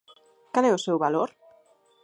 ¿Cal é o seu valor?